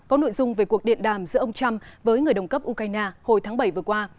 có nội dung về cuộc điện đàm giữa ông trump với người đồng cấp ukraine hồi tháng bảy vừa qua